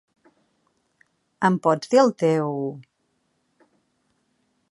Em pots dir el teu...?